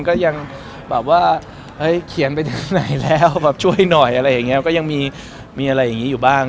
ก็ยังแบบว่าเฮ้ยเขียนไปถึงไหนแล้วแบบช่วยหน่อยอะไรอย่างนี้ก็ยังมีอะไรอย่างนี้อยู่บ้าง